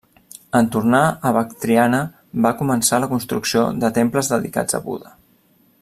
En tornar a Bactriana van començar la construcció de temples dedicats a Buda.